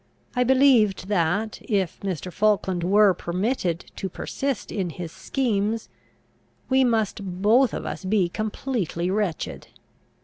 I believed that, if Mr. Falkland were permitted to persist in his schemes, we must both of us be completely wretched.